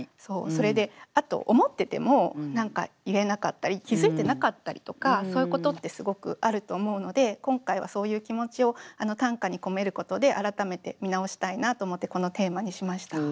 それであと思ってても何か言えなかったり気付いてなかったりとかそういうことってすごくあると思うので今回はそういう気持ちを短歌に込めることで改めて見直したいなと思ってこのテーマにしました。